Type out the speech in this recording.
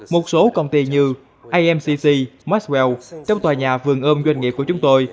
một số công ty như amcc maxwell trong tòa nhà vườn ôm doanh nghiệp của chúng tôi